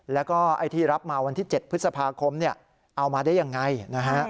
แล้วก็ที่รับมาวันที่๗พฤษภาคมเอามาได้ยังไงนะครับ